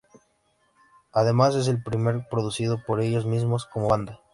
Además, es el primero producido por ellos mismos, como banda.